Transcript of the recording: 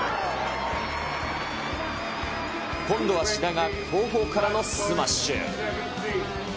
今度は志田が後方からのスマッシュ。